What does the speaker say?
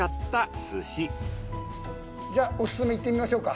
じゃオススメいってみましょうか。